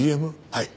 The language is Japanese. はい。